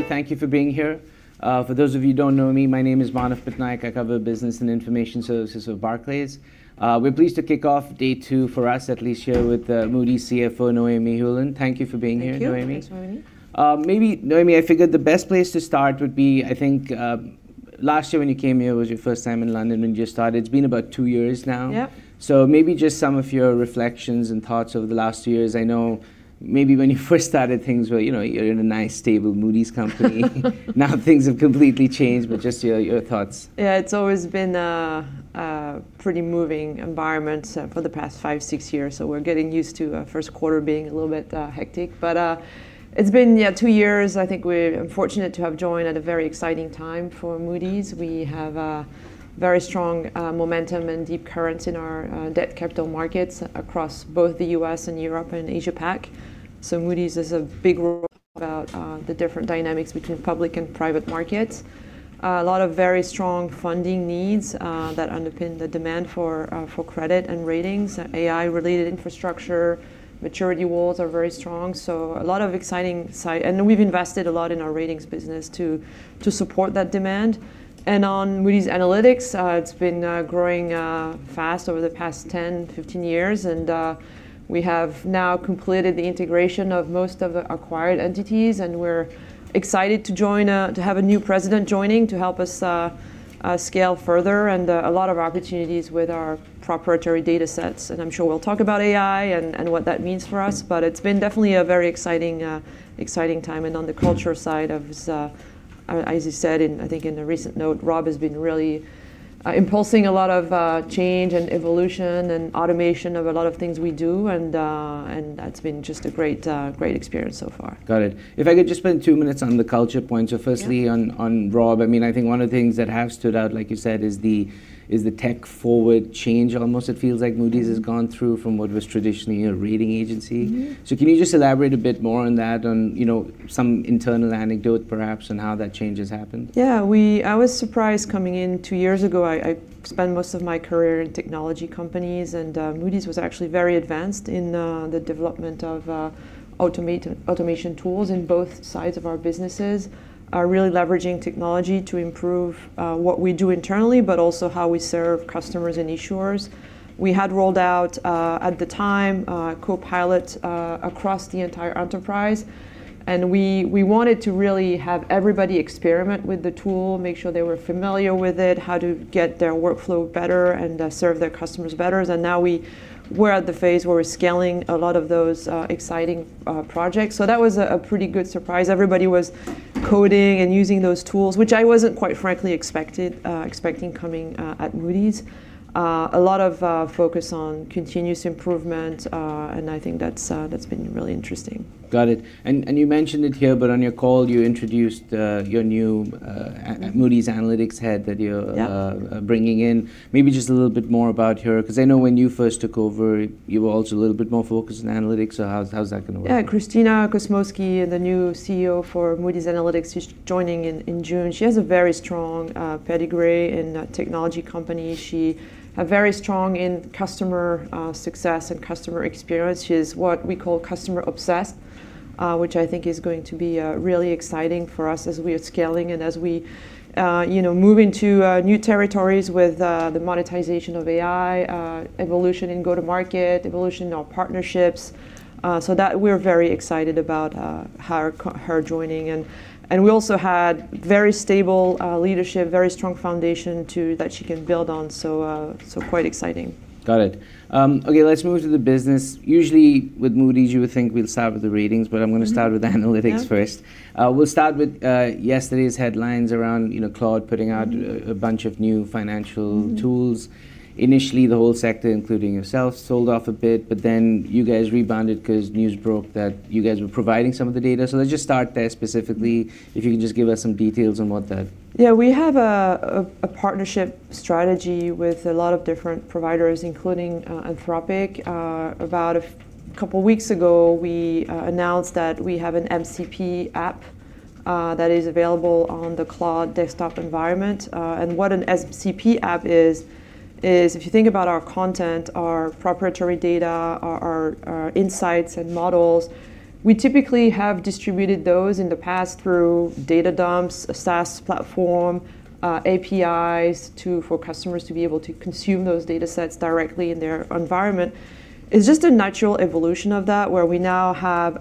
Thank you for being here. For those of you who don't know me, my name is Manav Patnaik. I cover business and information services of Barclays. We're pleased to kick off day two, for us at least, here with Moody's CFO, Noémie Heuland. Thank you for being here, Noémie. Thank you. Thanks, Manav. Maybe Noémie, I figured the best place to start would be, I think, last year when you came here was your first time in London and you started. It's been about two years now. Yep. Maybe just some of your reflections and thoughts over the last two years. I know maybe when you first started things were, you know, you're in a nice stable Moody's company. Now things have completely changed but just your thoughts. Yeah, it's always been a pretty moving environment for the past five, six years, so we're getting used to first quarter being a little bit hectic. It's been, yeah, two years. I think we're fortunate to have joined at a very exciting time for Moody's. We have very strong momentum and deep currents in our debt capital markets across both the U.S. and Europe and Asia Pac. Moody's is a big role about the different dynamics between public and private markets. A lot of very strong funding needs that underpin the demand for credit and ratings. AI-related infrastructure, maturity walls are very strong. A lot of exciting sight. We've invested a lot in our ratings business to support that demand. On Moody's Analytics, it's been growing fast over the past 10, 15 years and we have now completed the integration of most of the acquired entities and we're excited to join, to have a new president joining to help us scale further, and a lot of opportunities with our proprietary data sets. I'm sure we'll talk about AI and what that means for us but it's been definitely a very exciting time. On the culture side of this, as you said in, I think in a recent note, Rob has been really impulsing a lot of change and evolution and automation of a lot of things we do and that's been just a great experience so far. Got it. If I could just spend two minutes on the culture point. Yeah. Firstly on Rob, I mean, I think one of the things that have stood out, like you said, is the tech forward change almost it feels like Moody's has gone through from what was traditionally a rating agency. Can you just elaborate a bit more on that and, you know, some internal anecdote perhaps on how that change has happened? Yeah. I was surprised coming in two years ago. I spent most of my career in technology companies. Moody's was actually very advanced in the development of automation tools in both sides of our businesses, are really leveraging technology to improve what we do internally but also how we serve customers and issuers. We had rolled out at the time Copilots across the entire enterprise, we wanted to really have everybody experiment with the tool, make sure they were familiar with it, how to get their workflow better and serve their customers better. Now we're at the phase where we're scaling a lot of those exciting projects. That was a pretty good surprise. Everybody was coding and using those tools, which I wasn't, quite frankly, expecting coming at Moody's. A lot of focus on continuous improvement, and I think that's been really interesting. Got it. You mentioned it here, on your call you introduced your new, Moody's Analytics head that you're bringing in. Yeah Maybe just a little bit more about her, because I know when you first took over, you were also a little bit more focused on analytics. How's that gonna work? Christina Kosmowski is the new CEO for Moody's Analytics. She's joining in June. She has a very strong pedigree in technology company. She very strong in customer success and customer experience. She is what we call customer obsessed which I think is going to be really exciting for us as we are scaling and as we, you know, move into new territories with the monetization of AI, evolution in go-to-market, evolution in our partnerships. That we're very excited about her joining. We also had very stable leadership, very strong foundation that she can build on, quite exciting. Got it. Let's move to the business. Usually with Moody's you would think we'll start with the ratings but I'm gonna start with Analytics first. Yeah. We'll start with yesterday's headlines around, you know, Claude putting out a bunch of new financial tools. Initially, the whole sector, including yourself, sold off a bit but then you guys rebounded because news broke that you guys were providing some of the data. Let's just start there specifically, if you can just give us some details. Yeah, we have a partnership strategy with a lot of different providers, including Anthropic. About, a couple weeks ago we announced that we have an MCP app that is available on the Claude desktop environment. And what an MCP app is if you think about our content, our proprietary data, our insights and models, we typically have distributed those in the past through data dumps, a SaaS platform, APIs to, for customers to be able to consume those data sets directly in their environment. It's just a natural evolution of that, where we now have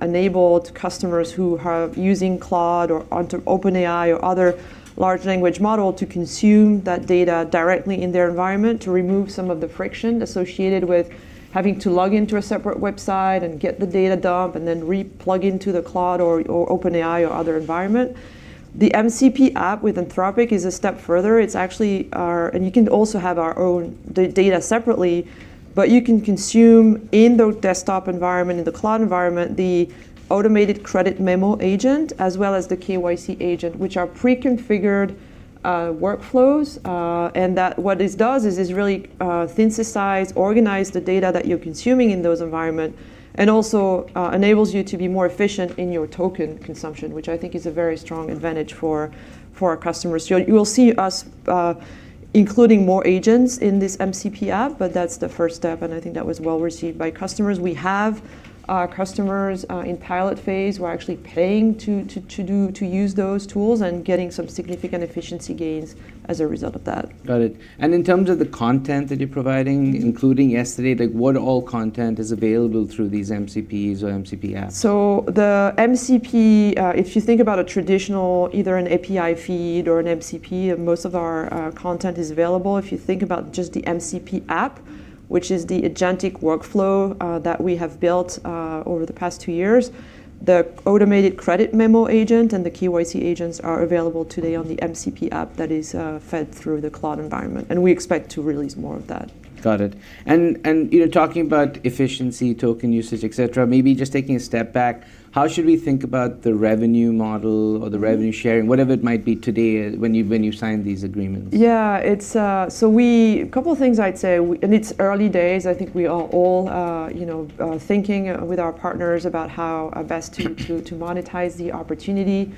enabled customers who have, using Claude or onto OpenAI or other large language model to consume that data directly in their environment to remove some of the friction associated with having to log into a separate website and get the data dump, and then re-plug into the Claude or OpenAI or other environment. The MCP app with Anthropic is a step further. It's actually our You can also have our own data separately but you can consume in the desktop environment, in the cloud environment, the automated credit memo agent as well as the KYC agent, which are pre-configured workflows. What this does is really synthesize, organize the data that you're consuming in those environment, and also enables you to be more efficient in your token consumption which I think is a very strong advantage for our customers. You will see us including more agents in this MCP app. That's the first step. I think that was well-received by customers. We have our customers in pilot phase who are actually paying to use those tools and getting some significant efficiency gains as a result of that. Got it. In terms of the content that you're providing, including yesterday, like, what all content is available through these MCPs or MCP apps? The MCP, if you think about a traditional either an API feed or an MCP, most of our content is available. If you think about just the MCP app, which is the agentic workflow that we have built over the past two years, the automated credit memo agent and the KYC agents are available today on the MCP app that is fed through the cloud environment, and we expect to release more of that. Got it. You know, talking about efficiency, token usage, et cetera, maybe just taking a step back, how should we think about the revenue model or the revenue sharing, whatever it might be today, when you, when you sign these agreements? It's, a couple things I'd say. It's early days. I think we are all, you know, thinking with our partners about how best to monetize the opportunity.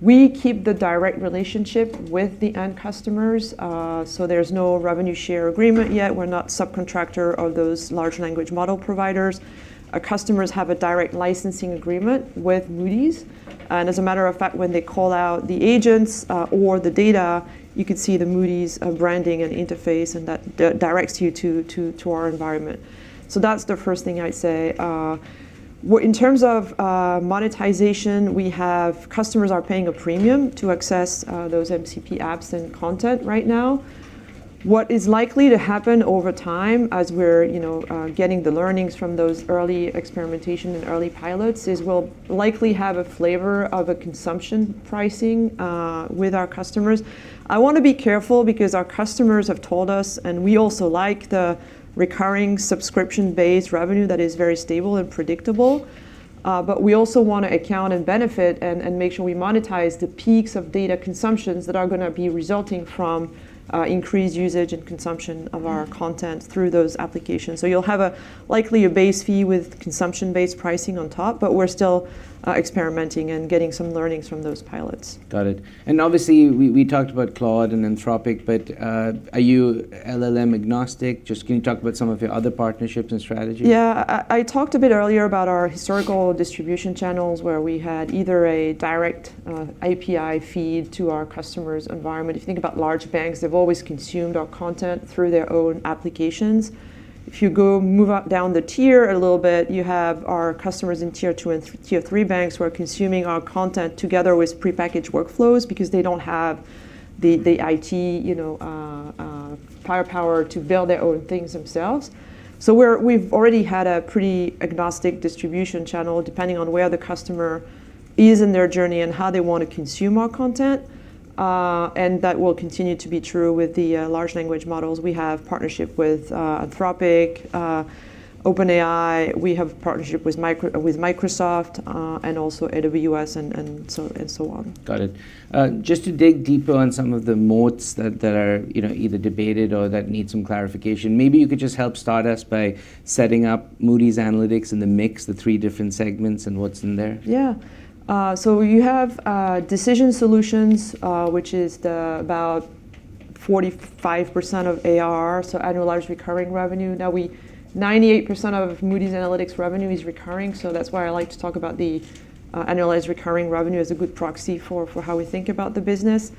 We keep the direct relationship with the end customers, there's no revenue share agreement yet. We're not subcontractor of those large language model providers. Our customers have a direct licensing agreement with Moody's, and as a matter of fact, when they call out the agents, or the data, you could see the Moody's branding and interface, and that directs you to our environment. That's the first thing I'd say. In terms of monetization, we have customers are paying a premium to access those MCP apps and content right now. What is likely to happen over time as we're, you know, getting the learnings from those early experimentation and early pilots is we'll likely have a flavor of a consumption pricing with our customers. I wanna be careful because our customers have told us, and we also like the recurring subscription-based revenue that is very stable and predictable but we also wanna account and benefit and make sure we monetize the peaks of data consumptions that are gonna be resulting from increased usage and consumption of our content through those applications. You'll have a likely a base fee with consumption-based pricing on top, but we're still experimenting and getting some learnings from those pilots. Got it. Obviously, we talked about Claude and Anthropic, are you LLM agnostic? Just can you talk about some of your other partnerships and strategy? I talked a bit earlier about our historical distribution channels where we had either a direct API feed to our customers' environment. If you think about large banks, they've always consumed our content through their own applications. If you move down the tier a little bit, you have our customers in Tier 2 and Tier 3 banks who are consuming our content together with prepackaged workflows because they don't have the IT, you know, firepower to build their own things themselves. We've already had a pretty agnostic distribution channel depending on where the customer is in their journey and how they wanna consume our content, and that will continue to be true with the large language models. We have partnership with Anthropic, OpenAI. We have partnership with Microsoft, and also AWS and so on and so on. Got it. Just to dig deeper on some of the moats that are, you know, either debated or that need some clarification, maybe you could just help start us by setting up Moody's Analytics in the mix, the three different segments and what's in there. You have Decision Solutions, which is about 45% of ARR, so Annualized Recurring Revenue. 98% of Moody's Analytics revenue is recurring, so that's why I like to talk about the Annualized Recurring Revenue as a good proxy for how we think about the business.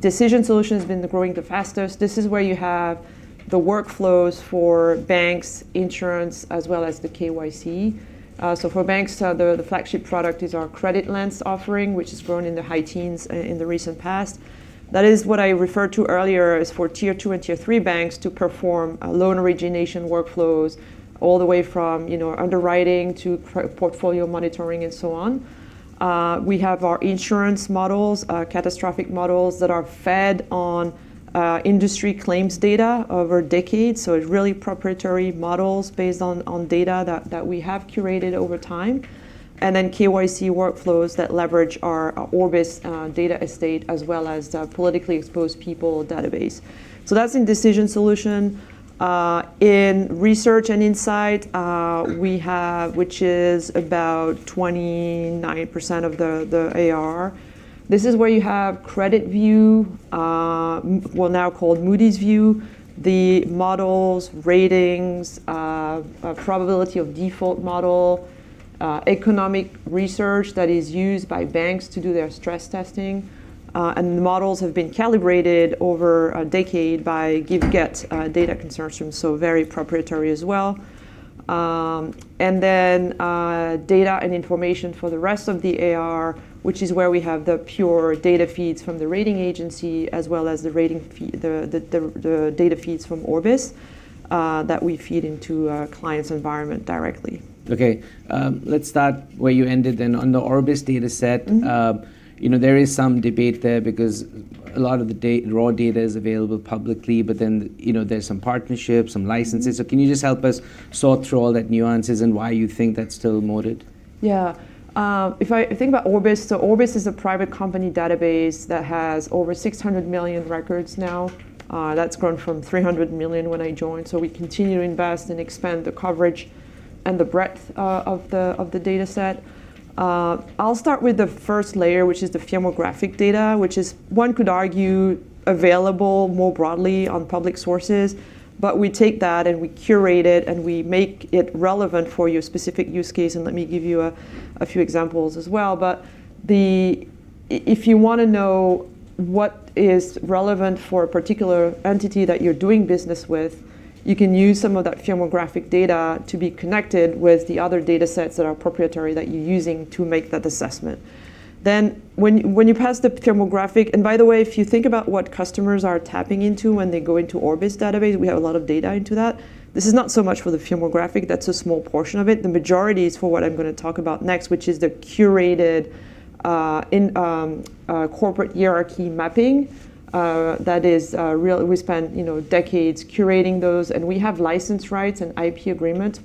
Decision Solutions has been growing the fastest. This is where you have the workflows for banks, insurance, as well as the KYC. For banks, the flagship product is our CreditLens offering, which has grown in the high teens in the recent past. That is what I referred to earlier is for Tier 2 and Tier 3 banks to perform loan origination workflows all the way from, you know, underwriting to portfolio monitoring and so on. We have our insurance models, catastrophic models that are fed on industry claims data over decades, so it's really proprietary models based on data we have curated over time. KYC workflows that leverage our Orbis data estate, as well as the politically exposed people database. That's in Decision Solution. In Research & Insights, we have, which is about 29% of the ARR, this is where you have CreditView, now called Moody's OneView, the models, ratings, probability of default model, economic research that is used by banks to do their stress testing. The models have been calibrated over a decade by give-get data consortium, so very proprietary as well. Data and Information for the rest of the ARR, which is where we have the pure data feeds from the rating agency as well as the rating fee the data feeds from Orbis that we feed into a client's environment directly. Okay. Let's start where you ended then on the Orbis data set. You know, there is some debate there because a lot of the raw data is available publicly. You know, there's some partnerships, some licenses. Can you just help us sort through all that nuances and why you think that's still moated? Yeah. If I think about Orbis is a private company database that has over 600 million records now. That's grown from 300 million when I joined, we continue to invest and expand the coverage and the breadth of the data set. I'll start with the first layer, which is the firmographic data, which is, one could argue, available more broadly on public sources. We take that and we curate it, and we make it relevant for your specific use case, let me give you a few examples as well. If you wanna know what is relevant for a particular entity that you're doing business with, you can use some of that firmographic data to be connected with the other data sets that are proprietary that you're using to make that assessment. When you pass the firmographic. By the way, if you think about what customers are tapping into when they go into Orbis database, we have a lot of data into that. This is not so much for the firmographic. That's a small portion of it. The majority is for what I'm going to talk about next which is the curated corporate hierarchy mapping that is real. We spent, you know, decades curating those, and we have license rights and IP agreements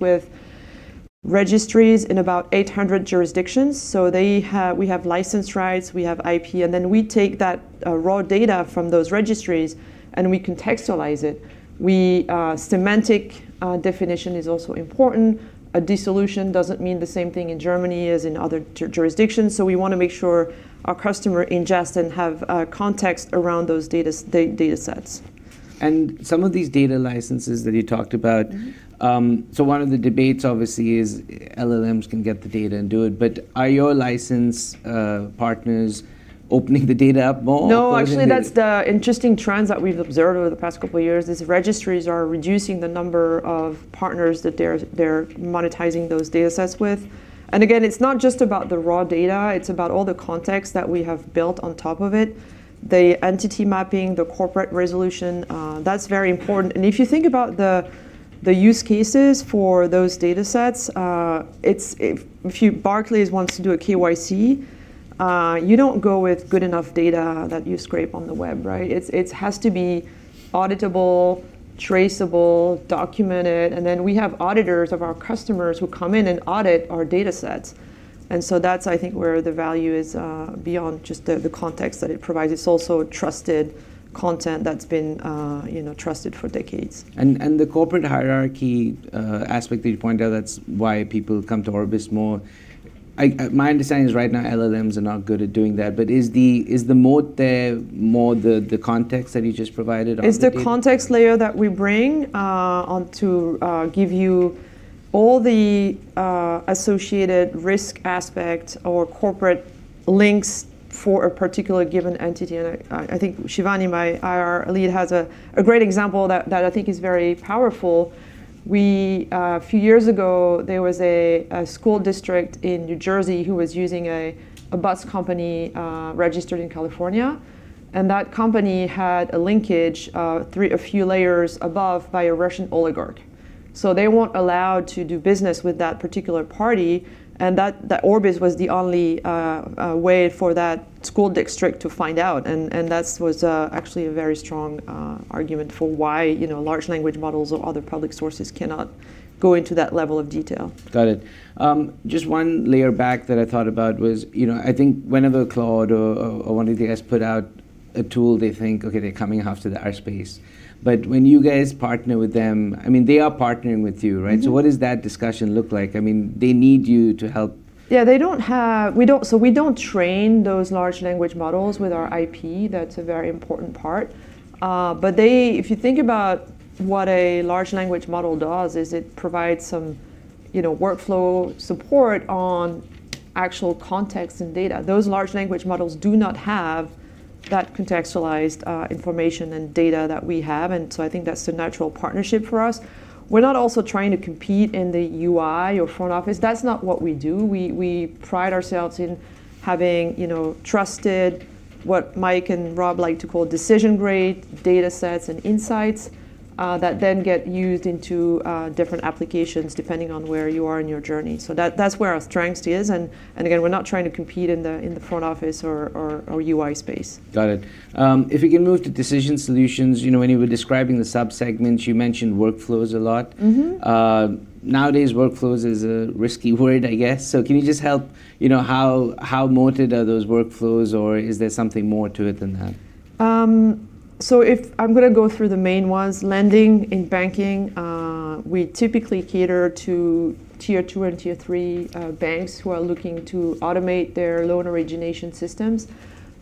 with registries in about 800 jurisdictions. We have license rights, we have IP, and then we take that raw data from those registries, and we contextualize it. We Semantic definition is also important. A dissolution doesn't mean the same thing in Germany as in other jurisdictions, so we wanna make sure our customer ingest and have context around those data sets. Some of these data licenses that you talked about. One of the debates obviously is LLMs can get the data and do it, but are your license partners opening the data up more or isn't it? No, actually, that's the interesting trends that we've observed over the past two years, is registries are reducing the number of partners that they're monetizing those data sets with. Again, it's not just about the raw data, it's about all the context that we have built on top of it. The entity mapping, the corporate resolution, that's very important. If you think about the use cases for those data sets, if Barclays wants to do a KYC, you don't go with good-enough data that you scrape on the web, right? It has to be auditable, traceable, documented, and then we have auditors of our customers who come in and audit our data sets. That's, I think, where the value is beyond just the context that it provides. It's also trusted content that's been, you know, trusted for decades. The corporate hierarchy aspect that you point out, that's why people come to Orbis more. I, my understanding is right now LLMs are not good at doing that but is the moat there more the context that you just provided or the data? It's the context layer that we bring on to give you all the associated risk aspect or corporate links for a particular given entity. I think Shivani, my IR lead, has a great example that I think is very powerful. We a few years ago there was a school district in New Jersey who was using a bus company registered in California, and that company had a linkage three a few layers above by a Russian oligarch. They weren't allowed to do business with that particular party, Orbis was the only way for that school district to find out, that's was actually a very strong argument for why, you know, large language models or other public sources cannot go into that level of detail. Got it. Just one layer back that I thought about was, you know, I think whenever Claude or one of you guys put out a tool, they think, "Okay, they're coming after our space." When you guys partner with them, I mean, they are partnering with you, right? What does that discussion look like? I mean, they need you to help. We don't train those large language models with our IP. That's a very important part. If you think about what a large language model does, is it provides some, you know, workflow support on actual context and data. Those large language models do not have that contextualized information and data that we have, I think that's a natural partnership for us. We're not also trying to compete in the UI or front office. That's not what we do. We pride ourselves in having, you know, trusted, what Mike and Rob like to call decision-grade, data sets, and insights that then get used into different applications depending on where you are in your journey. That's where our strength is. Again, we're not trying to compete in the front office or UI space. Got it. If we can move to Decision Solutions. You know, when you were describing the sub-segments, you mentioned workflows a lot. Nowadays workflows is a risky word, I guess. Can you just help, you know, how moated are those workflows or is there something more to it than that? If I'm going to go through the main ones. Lending in banking, we typically cater to Tier 2 and Tier 3 banks who are looking to automate their loan origination systems.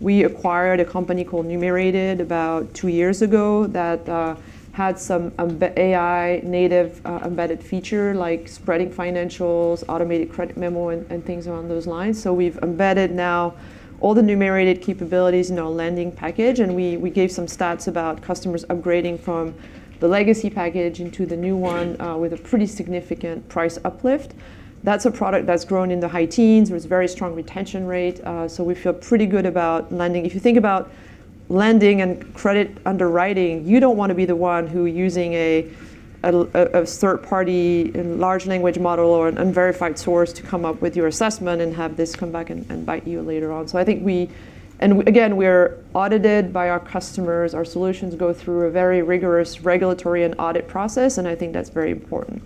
We acquired a company called Numerated about two years ago that had some AI-native embedded features, like spreading financials, automated credit memo, and things along those lines. We've embedded now all the Numerated capabilities in our lending package, and we gave some stats about customers upgrading from the legacy package into the new one with a pretty significant price uplift. That's a product that's grown in the high teens with very strong retention rate. We feel pretty good about lending. If you think about lending and credit underwriting, you don't wanna be the one who using a third-party large language model or an unverified source to come up with your assessment and have this come back and bite you later on. I think we, and again, we're audited by our customers. Our solutions go through a very rigorous regulatory and audit process, and I think that's very important.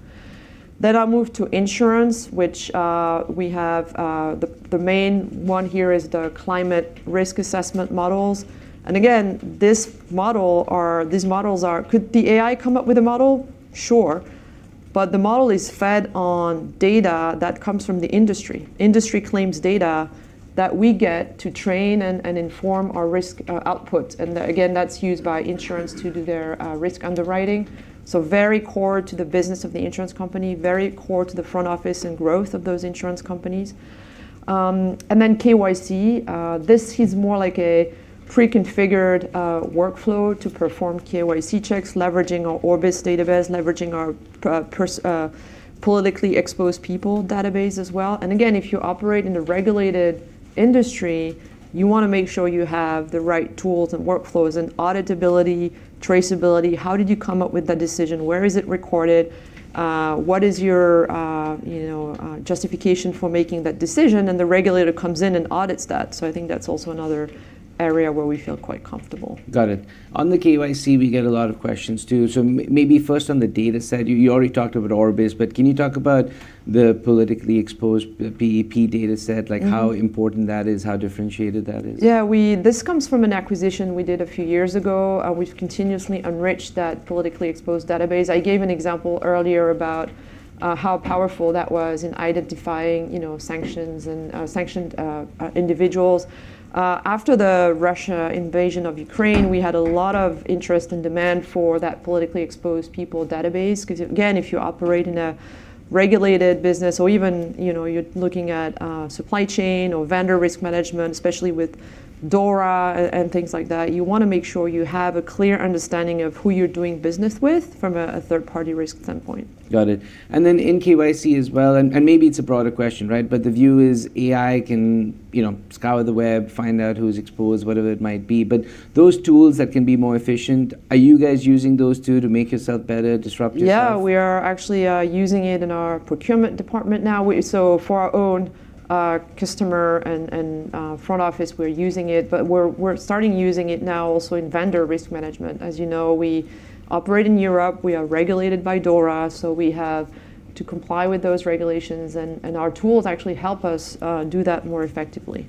I'll move to insurance, which we have the main one here is the climate risk assessment models. Again, this model, or these models are, could the AI come up with a model? Sure, but the model is fed on data that comes from the industry claims data that we get to train and inform our risk output. Again, that's used by insurance to do their risk underwriting, so very core to the business of the insurance company, very core to the front office and growth of those insurance companies. Then KYC. This is more like a pre-configured workflow to perform KYC checks, leveraging our Orbis database, leveraging our politically exposed people database as well. Again, if you operate in a regulated industry, you want to make sure you have the right tools and workflows and auditability, traceability. How did you come up with that decision? Where is it recorded? What is your, you know, justification for making that decision? The regulator comes in and audits that, I think that's also another area where we feel quite comfortable. Got it. On the KYC, we get a lot of questions, too. Maybe first on the dataset. You already talked about Orbis, but can you talk about the politically exposed, the PEP dataset? Like how important that is, how differentiated that is? Yeah. This comes from an acquisition we did a few years ago. We've continuously enriched that politically exposed database. I gave an example earlier about how powerful that was in identifying, you know, sanctions and sanctioned individuals. After the Russia invasion of Ukraine, we had a lot of interest and demand for that politically exposed people database because, again, if you operate in a regulated business or even, you know, you're looking at supply chain or Vendor Risk Management especially, with DORA and things like that, you wanna make sure you have a clear understanding of who you're doing business with from a third-party risk standpoint. Got it. In KYC as well, and maybe it's a broader question, right? The view is AI can, you know, scour the web, find out who's exposed, whatever it might be. Those tools that can be more efficient, are you guys using those too, to make yourself better, disrupt yourself? Yeah. We are actually using it in our procurement department now. For our own customer and front office, we're using it but we're starting using it now also in Vendor Risk Management. As you know, we operate in Europe. We are regulated by DORA, so we have to comply with those regulations and our tools actually help us do that more effectively.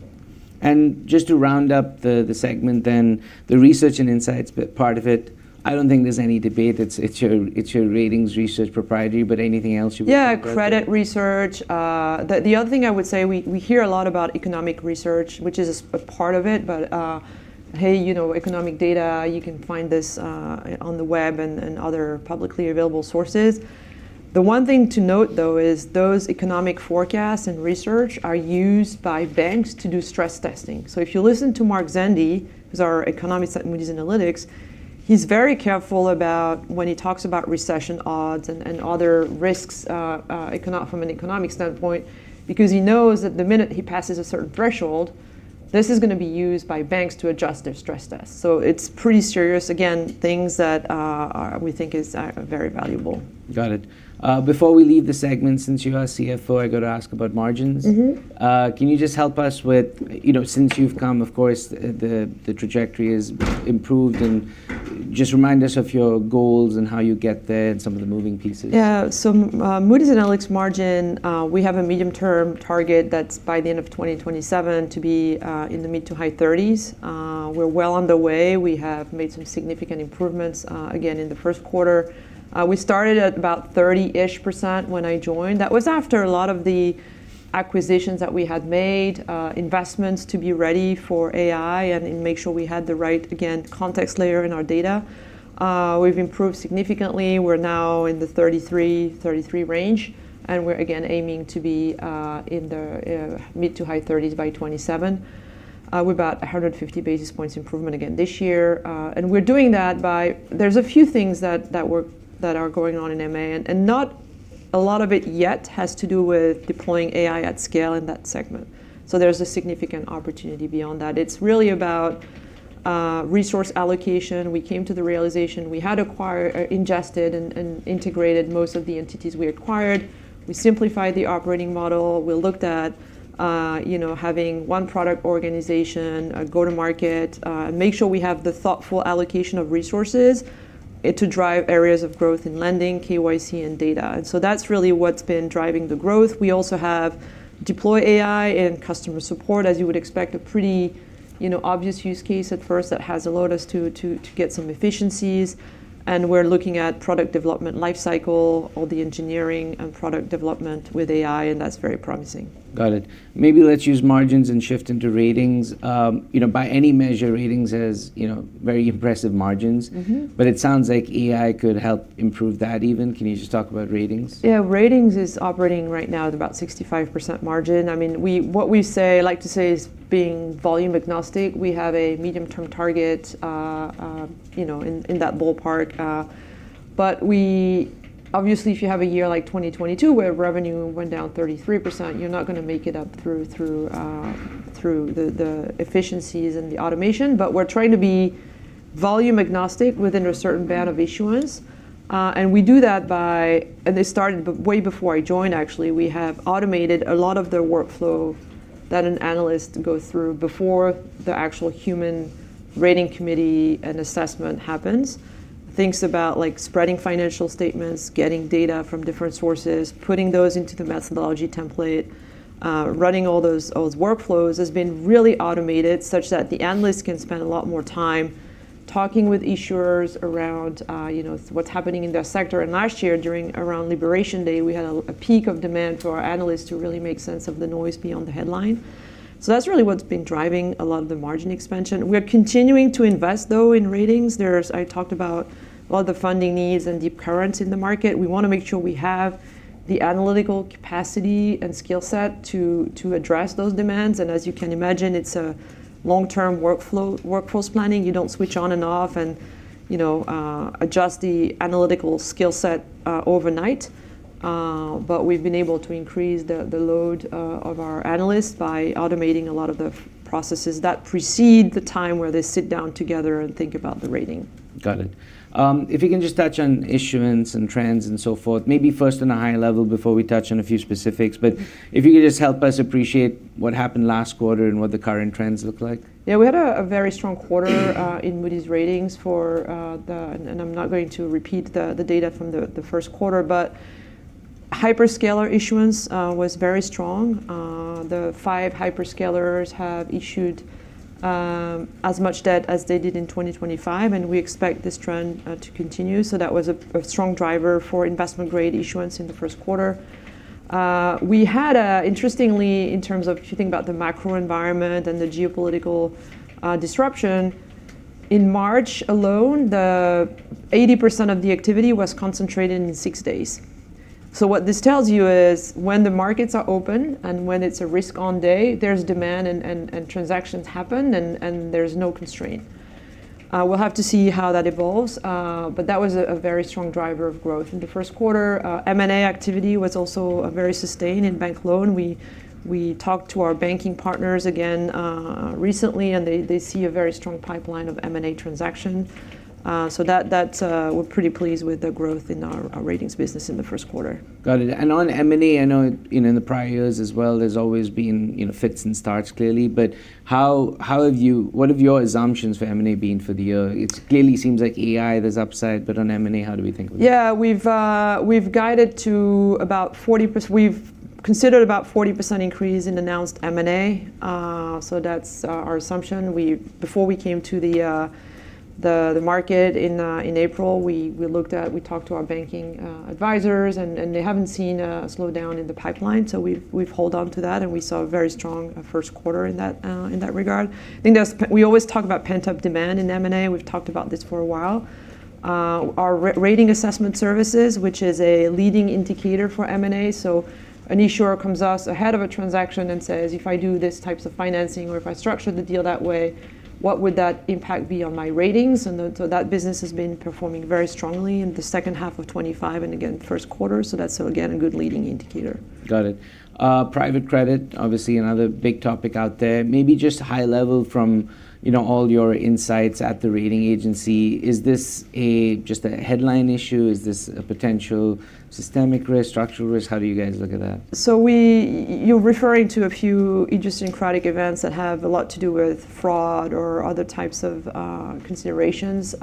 Just to round up the segment then, the Research & Insights part of it, I don't think there's any debate. It's your ratings research proprietary. Anything else you would want to go through? Yeah, credit research. The other thing I would say, we hear a lot about economic research which is a part of it. Hey, you know, economic data, you can find this on the web and other publicly available sources. The one thing to note, though, is those economic forecasts and research are used by banks to do stress testing. If you listen to Mark Zandi, who's our economist at Moody's Analytics, he's very careful about when he talks about recession odds and other risks from an economic standpoint because he knows that the minute he passes a certain threshold, this is gonna be used by banks to adjust their stress test. It's pretty serious. Again, things that are, we think is very valuable. Got it. Before we leave the segment, since you are CFO, I gotta ask about margins. Can you just help us with, you know, since you've come, of course, the trajectory has improved and just remind us of your goals and how you get there and some of the moving pieces? Yeah. Moody's Analytics margin, we have a medium-term target that's by the end of 2027 to be in the mid-to-high 30s. We're well on the way. We have made some significant improvements again, in the first quarter. We started at about 30% when I joined. That was after a lot of the acquisitions that we had made, investments to be ready for AI and make sure we had the right, again, context layer in our data. We've improved significantly. We're now in the 33, 33 range, and we're again aiming to be in the mid-to- high 30s by 2027, with about 150 basis points improvement again this year. We're doing that by, there's a few things that are going on in M&A, and not a lot of it yet has to do with deploying AI at scale in that segment. There's a significant opportunity beyond that. It's really about resource allocation. We came to the realization we had acquired or ingested and integrated most of the entities we acquired. We simplified the operating model. We looked at, you know, having one product organization, go to market, make sure we have the thoughtful allocation of resources, to drive areas of growth in lending, KYC, and data. That's really what's been driving the growth. We also have deployed AI in customer support, as you would expect, a pretty, you know, obvious use case at first that has allowed us to get some efficiencies, and we're looking at product development life cycle, all the engineering and product development with AI, and that's very promising. Got it. Maybe let's use margins and shift into ratings. You know, by any measure, ratings has, you know, very impressive margins. It sounds like AI could help improve that even. Can you just talk about ratings? Yeah. Ratings is operating right now at about 65% margin. I mean, what we like to say is being volume agnostic. We have a medium-term target, you know, in that ballpark. Obviously, if you have a year like 2022 where revenue went down 33%, you're not gonna make it up through the efficiencies and the automation. We're trying to be volume agnostic within a certain band of issuance. We do that. They started way before I joined, actually. We have automated a lot of their workflow that an analyst goes through before the actual human rating committee and assessment happens. Things about, like, spreading financial statements, getting data from different sources, putting those into the methodology template, running all those workflows has been really automated such that the analyst can spend a lot more time talking with issuers around, you know, what's happening in their sector. Last year around Liberation Day, we had a peak of demand for our analysts to really make sense of the noise beyond the headline. That's really what's been driving a lot of the margin expansion. We're continuing to invest though in ratings. I talked about a lot of the funding needs and the current in the market. We wanna make sure we have the analytical capacity and skill set to address those demands. As you can imagine, it's a long-term workflow, workforce planning. You don't switch on and off and, you know, adjust the analytical skill set overnight. We've been able to increase the load of our analysts by automating a lot of the processes that precede the time where they sit down together and think about the rating. Got it. If you can just touch on issuance and trends and so forth, maybe first on a high level before we touch on a few specifics. If you could just help us appreciate what happened last quarter and what the current trends look like? Yeah, we had a very strong quarter in Moody's Ratings. I'm not going to repeat the data from the first quarter but hyperscaler issuance was very strong. The five hyperscalers have issued as much debt as they did in 2025, we expect this trend to continue. That was a strong driver for investment-grade issuance in the first quarter. We had interestingly, in terms of if you think about the macro environment and the geopolitical disruption, in March alone, the 80% of the activity was concentrated in six days. What this tells you is when the markets are open and when it's a risk on day, there's demand and transactions happen and there's no constraint. We'll have to see how that evolves. That was a very strong driver of growth. In the first quarter, M&A activity was also very sustained in bank loan. We talked to our banking partners again recently, and they see a very strong pipeline of M&A transaction. That's, we're pretty pleased with the growth in our ratings business in the first quarter. Got it. On M&A, I know, you know, in the prior years as well, there's always been, you know, fits and starts clearly. What have your assumptions for M&A been for the year? Clearly seems like AI, there's upside but on M&A, how do we think of it? Yeah. We've guided to about 40%. We've considered about 40% increase in announced M&A. That's our assumption. Before we came to the market in April, we talked to our banking advisors, and they haven't seen a slowdown in the pipeline. We've held on to that, and we saw a very strong first quarter in that regard. We always talk about pent-up demand in M&A. We've talked about this for a while. Our rating assessment services which is a leading indicator for M&A. An issuer comes to us ahead of a transaction and says, "If I do these types of financing or if I structure the deal that way, what would that impact be on my ratings?" That business has been performing very strongly in the second half of 2025 and again first quarter. That's, again, a good leading indicator. Got it. Private credit, obviously another big topic out there. Maybe just high level from, you know, all your insights at the rating agency. Is this just a headline issue? Is this a potential systemic risk, structural risk? How do you guys look at that? You're referring to a few idiosyncratic events that have a lot to do with fraud or other types of considerations.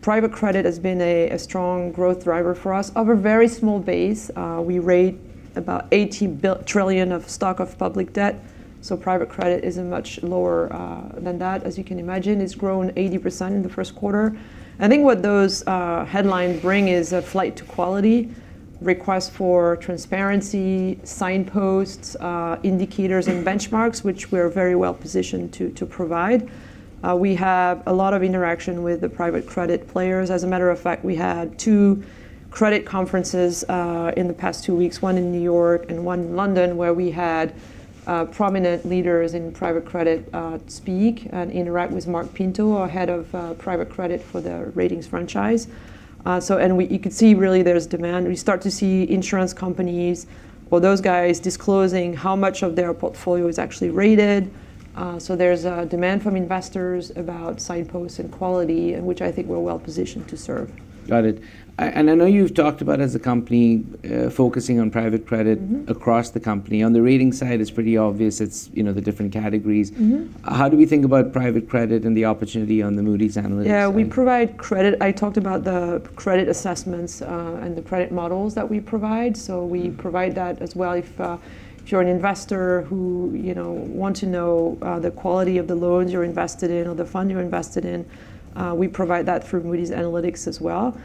Private credit has been a strong growth driver for us of a very small base. We rate about $80 trillion of stock of public debt, so private credit is much lower than that. As you can imagine, it's grown 80% in the first quarter. I think what those headlines bring is a flight to quality, request for transparency, signposts, indicators and benchmarks, which we're very well positioned to provide. We have a lot of interaction with the private credit players. As a matter of fact, we had two credit conferences, in the past two weeks. One in New York and one in London, where we had prominent leaders in private credit speak and interact with Marc Pinto, our head of private credit for the ratings franchise. You could see really there's demand. We start to see insurance companies or those guys disclosing how much of their portfolio is actually rated. There's a demand from investors about signposts and quality, which I think we're well-positioned to serve. Got it. I know you've talked about as a company focusing on private credit across the company. On the ratings side, it's pretty obvious it's, you know, the different categories. How do we think about private credit and the opportunity on the Moody's Analytics side? Yeah. I talked about the credit assessments and the credit models that we provide. We provide that as well. If you're an investor who, you know, want to know the quality of the loans you're invested in or the fund you're invested in, we provide that through Moody's Analytics as well.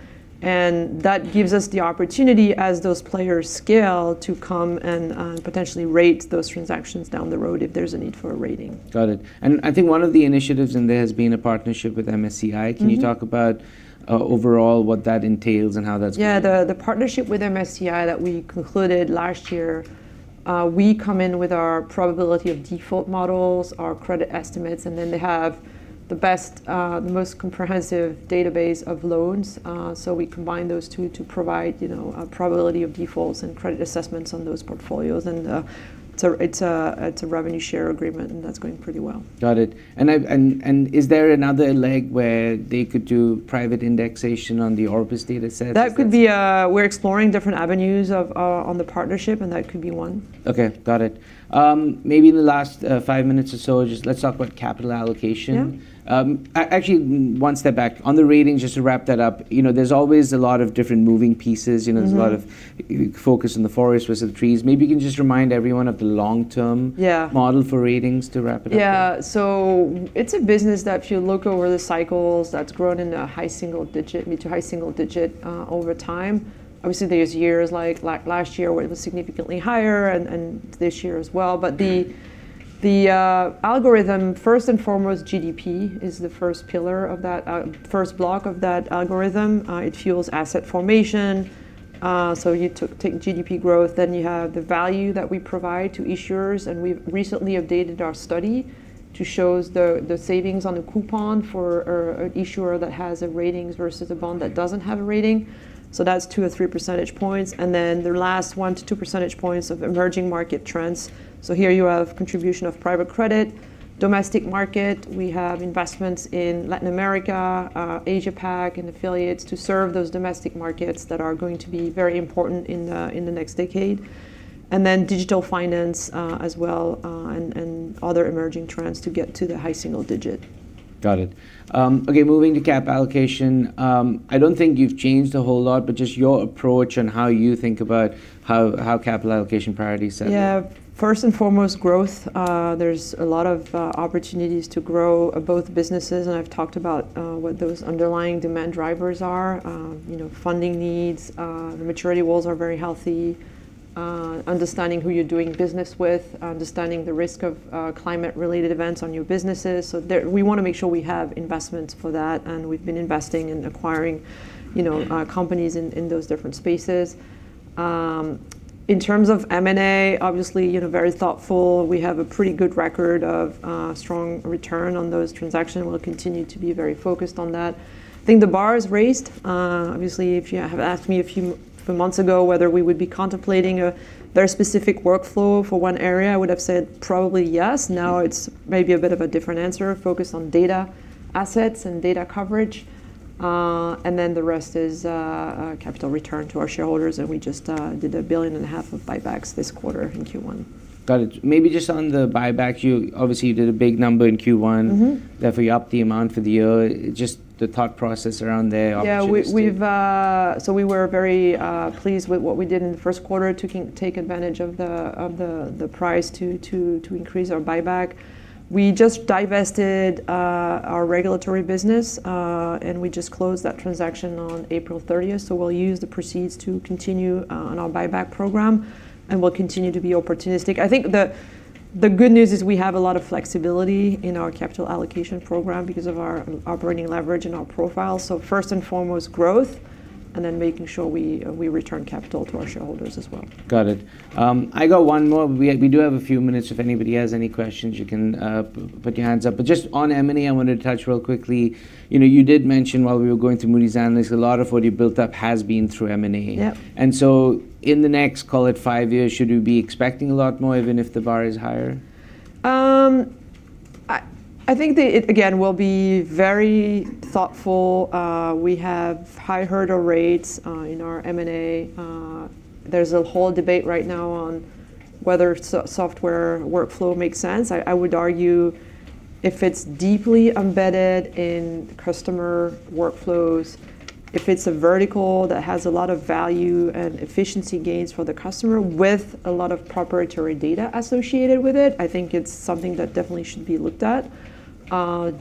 That gives us the opportunity as those players scale to come and potentially rate those transactions down the road if there's a need for a rating. Got it. I think one of the initiatives in there has been a partnership with MSCI. Can you talk about overall what that entails and how that's going? Yeah. The partnership with MSCI that we concluded last year, we come in with our probability of default models, our credit estimates. Then they have the best, most comprehensive database of loans. We combine those two to provide, you know, a probability of defaults and credit assessments on those portfolios. It's a revenue share agreement, and that's going pretty well. Got it. Is there another leg where they could do private indexation on the Orbis datasets? That could be. We're exploring different avenues of, on the partnership, and that could be one. Okay, got it. Maybe in the last five minutes or so, just let's talk about capital allocation. Yeah. Actually, one step back. On the ratings, just to wrap that up, you know, there's always a lot of different moving pieces. You know, there's a lot of focus on the forest versus the trees. Maybe you can just remind everyone of the long-term. Yeah Model for ratings to wrap it up there. It's a business that, if you look over the cycles, that's grown in a mid to high single digit over time. Obviously, there's years like last year where it was significantly higher and this year as well. The algorithm, first and foremost, GDP is the first pillar of that, first block of that algorithm. It fuels asset formation. Take GDP growth, then you have the value that we provide to issuers and we've recently updated our study to shows the savings on the coupon for an issuer that has a ratings versus a bond that doesn't have a rating. That's 2 or 3 percentage points. The last 1 to 2 percentage points of emerging market trends. Here you have contribution of private credit, domestic market. We have investments in Latin America, Asia Pac and affiliates to serve those domestic markets that are going to be very important in the next decade. Then digital finance as well, and other emerging trends to get to the high single digit. Got it. Okay, moving to cap allocation. I don't think you've changed a whole lot, just your approach and how you think about how capital allocation priority is set up. Yeah. First and foremost, growth. There's a lot of opportunities to grow both businesses, and I've talked about what those underlying demand drivers are. You know, funding needs, the maturity walls are very healthy. Understanding who you're doing business with, understanding the risk of climate related events on your businesses. We wanna make sure we have investments for that, and we've been investing in acquiring, you know, companies in those different spaces. In terms of M&A, obviously, you know, very thoughtful. We have a pretty good record of strong return on those transactions. We'll continue to be very focused on that. I think the bar is raised. Obviously, if you have asked me a few months ago whether we would be contemplating a very specific workflow for one area, I would have said probably yes. Now it's maybe a bit of a different answer, focused on data assets and data coverage. The rest is capital return to our shareholders, and we just did a billion and a half of buybacks this quarter in Q1. Got it. Maybe just on the buyback, you obviously did a big number in Q1. We upped the amount for the year. Just the thought process around there, opportunistic. Yeah. We've been very pleased with what we did in the first quarter to take advantage of the price to increase our buyback. We just divested our regulatory business, and we just closed that transaction on April 30th. We'll use the proceeds to continue on our buyback program, and we'll continue to be opportunistic. I think the good news is we have a lot of flexibility in our capital allocation program because of our operating leverage and our profile. First and foremost, growth, and then making sure we return capital to our shareholders as well. Got it. I got one more. We do have a few minutes if anybody has any questions, you can put your hands up. Just on M&A, I wanted to touch real quickly. You know, you did mention while we were going through Moody's Analytics, a lot of what you built up has been through M&A. Yep. In the next, call it five years, should we be expecting a lot more, even if the bar is higher? I think it again will be very thoughtful. We have high hurdle rates in our M&A. There's a whole debate right now on whether software workflow makes sense. I would argue if it's deeply embedded in customer workflows, if it's a vertical that has a lot of value and efficiency gains for the customer with a lot of proprietary data associated with it, I think it's something that definitely should be looked at.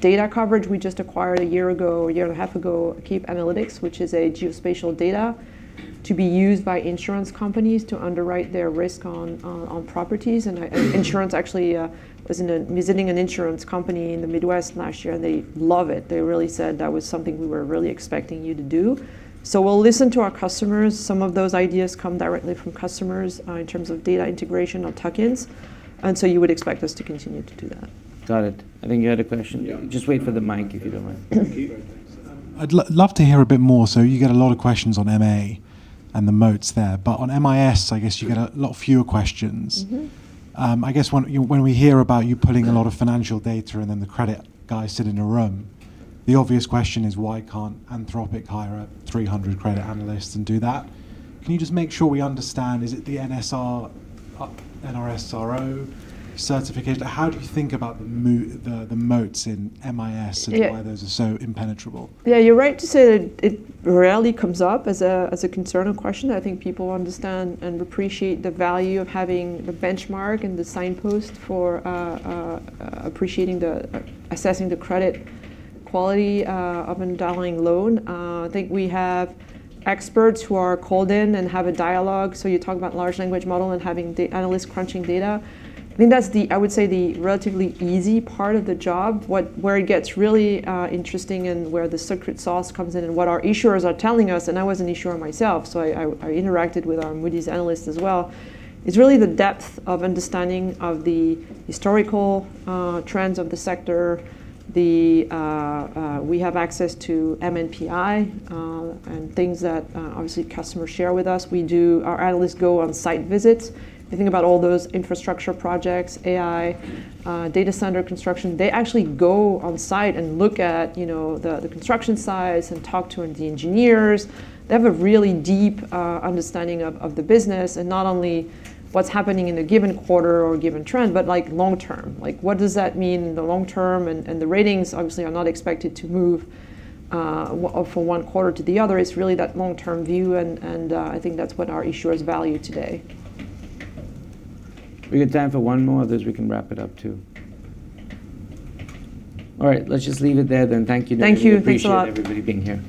Data coverage, we just acquired one year ago, one and half years ago, CAPE Analytics, which is a geospatial data to be used by insurance companies to underwrite their risk on properties. Insurance actually, I was visiting an insurance company in the Midwest last year, and they love it. They really said that was something we were really expecting you to do. We'll listen to our customers. Some of those ideas come directly from customers, in terms of data integration or tuck-ins. You would expect us to continue to do that. Got it. I think you had a question. Yeah. Just wait for the mic, if you don't mind. Thank you. I'd love to hear a bit more. You get a lot of questions on M&A and the moats there. On MIS, I guess you get a lot fewer questions. I guess when, you know, when we hear about you putting a lot of financial data and then the credit guys sit in a room, the obvious question is why can't Anthropic hire 300 credit analysts and do that? Can you just make sure we understand, is it the NRSRO certification? How do you think about the moats in MIS? Yeah Why those are so impenetrable? Yeah, you're right to say that it rarely comes up as a concern or question. I think people understand and appreciate the value of having the benchmark and the signpost for appreciating the assessing the credit quality of an underlying loan. I think we have experts who are called in and have a dialogue. You talk about large language model and having the analysts crunching data. I think that's the, I would say, the relatively easy part of the job. Where it gets really interesting and where the secret sauce comes in and what our issuers are telling us, and I was an issuer myself, so I interacted with our Moody's analysts as well, is really the depth of understanding of the historical trends of the sector. We have access to MNPI and things that obviously customers share with us. Our analysts go on site visits. They think about all those infrastructure projects, AI, data center construction. They actually go on site and look at, you know, the construction sites and talk to the engineers. They have a really deep understanding of the business and not only what's happening in a given quarter or a given trend but, like, long term. What does that mean in the long term? The ratings, obviously, are not expected to move from one quarter to the other. It's really that long-term view, I think that's what our issuers value today. We got time for one more. We can wrap it up, too. All right, let's just leave it there then. Thank you, Noémie. Thank you. Thanks a lot. We appreciate everybody being here.